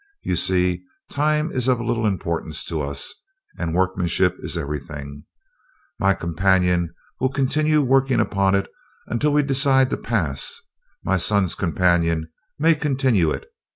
You see, time is of little importance to us, and workmanship is everything. My companion will continue working upon it until we decide to pass; my son's companion may continue it.